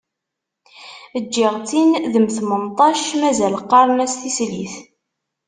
Ǧǧiɣ-tt-in d mm tmenṭac, mazal qqaren-as "tislit".